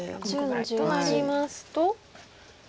となりますと？